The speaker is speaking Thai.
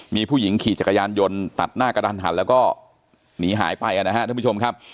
มีผู้หญิงขี่จักรยานยนต์ตัดหน้ากระทันหันแล้วก็หนีหายไปนะครับท่านผู้ชมครับ